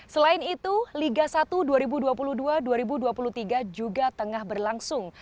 selain itu liga satu dua ribu dua puluh dua dua ribu dua puluh tiga juga tengah berlangsung